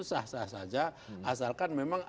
sah sah saja asalkan memang